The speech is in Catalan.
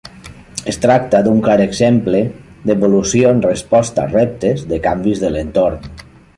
Es tracta d'un clar exemple d'evolució en resposta a reptes de canvis de l'entorn.